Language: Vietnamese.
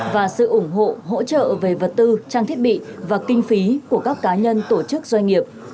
và sự ủng hộ hỗ trợ về vật tư trang thiết bị và kinh phí của các cá nhân tổ chức doanh nghiệp